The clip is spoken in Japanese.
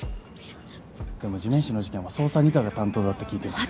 でも地面師の事件は捜査二課が担当だって聞いています。